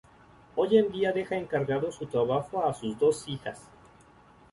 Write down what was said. Hoy en día deja encargado su trabajo a sus dos hijas.